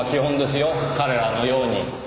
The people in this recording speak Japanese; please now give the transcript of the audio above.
彼らのように。